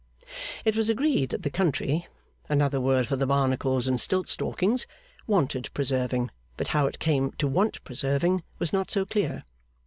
It was agreed that the country (another word for the Barnacles and Stiltstalkings) wanted preserving, but how it came to want preserving was not so clear.